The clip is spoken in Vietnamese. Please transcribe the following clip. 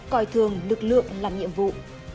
coi thường lực lượng làm nhiệm vụ